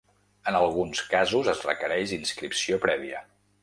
En alguns casos, es requereix inscripció prèvia.